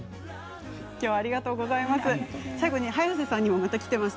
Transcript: きょうはありがとうございます。